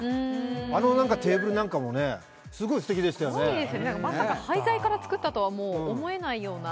あのテーブルなんかもね、すごいですよね、まさか廃材から作ったとはもう思えないような。